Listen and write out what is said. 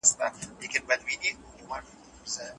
د هنر درناوی څنګه کيده؟